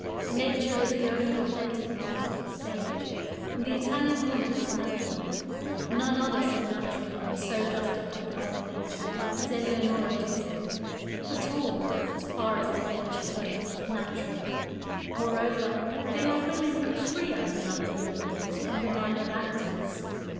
Nature is the only authentic art of the stage, and the Italian woman is natural: none other so natural and so justified by her nature as Eleonora Duse; but all, as far as their nature goes, natural. Moreover, they are women freer than other Europeans from the minor vanities.